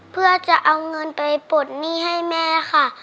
เพื่อจะเอาเงินไปปลดหนี้ให้แม่ค่ะ